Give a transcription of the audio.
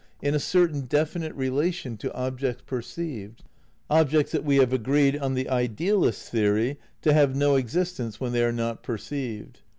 286 THE NEW IDEALISM ix a certain definite relation to objects perceived, objects that we have agreed, on the idealist's theory, to have no existence when they are not perceived.